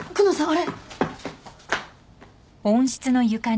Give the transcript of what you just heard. あれ！